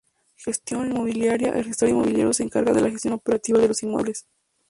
Gestión Inmobiliaria: El Gestor Inmobiliario se encarga de la gestión operativa de los inmuebles.